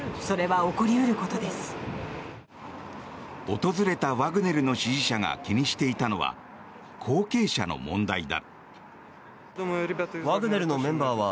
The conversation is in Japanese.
訪れたワグネルの支持者が気にしていたのは後継者の問題だ。